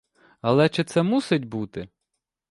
Але чи це мусить бути?